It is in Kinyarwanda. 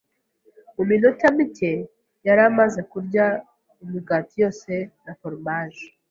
Mu minota mike, yari amaze kurya imigati yose na foromaje.